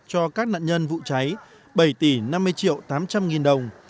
cho các nạn nhân vụ cháy bảy tỷ năm mươi triệu tám trăm linh nghìn đồng